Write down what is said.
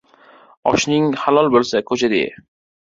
Oshing halol boisa, ko'chada ich.